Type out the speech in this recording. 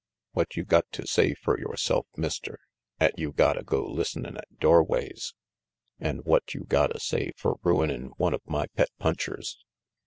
What you got to say fer yoreself, Mister, 'at you gotta go listenin' at doorways? An' what you gotta say fer ruinin' one of my pet punchers?"